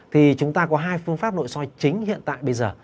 thì chúng ta có hai phương pháp nội soi chính hiện tại bây giờ